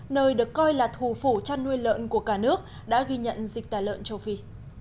nơi được coi là thủ phủ chăn nuôi lợn của cả nước đã ghi nhận dịch tả lợn châu phi